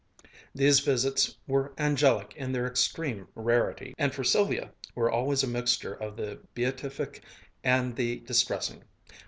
These visits were angelic in their extreme rarity, and for Sylvia were always a mixture of the beatific and the distressing.